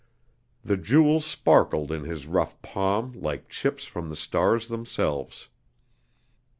The jewels sparkled in his rough palm like chips from the stars themselves.